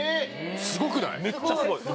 すごくない？